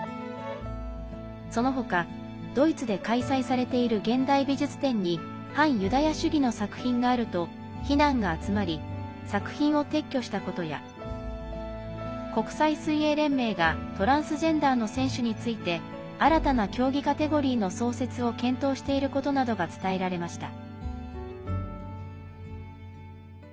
そのほかドイツで開催されている現代美術展に反ユダヤ主義の作品があると非難が集まり作品を撤去したことや国際水泳連盟がトランスジェンダーの選手について新たな競技カテゴリーの創設を検討していることなどが伝えられました。